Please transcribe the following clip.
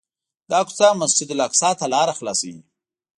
دا کوڅه مسجدالاقصی ته لاره خلاصوي.